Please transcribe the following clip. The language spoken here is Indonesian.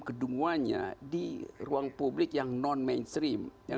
kedunguanya di ruang publik yang non mainstream